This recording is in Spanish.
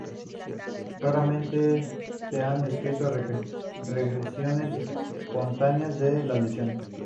Raramente, se han descrito regresiones espontáneas de las lesiones.